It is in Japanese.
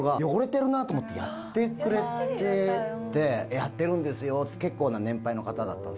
ありがたいやってるんですよって結構な年配の方だったんです